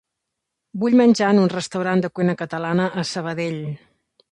Vull menjar en un restaurant de cuina catalana a Sabadell.